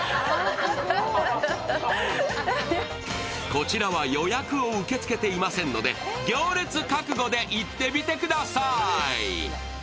こちらは予約を受け付けていませんので、行列覚悟で行ってみてください。